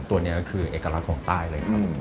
ตัวนี้ก็คือเอกลักษณ์ของใต้เลยครับ